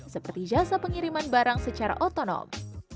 seperti jasa pengiriman barang secara otonom